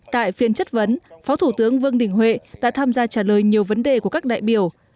tại phiên chất vấn phó thủ tướng vương đình huệ đã tham gia trả lời nhiều vấn đề của các đại biểu